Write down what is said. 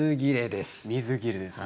水切れです。